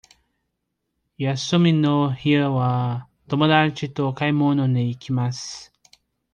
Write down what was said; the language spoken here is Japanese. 休みの日は友達と買い物に行きます。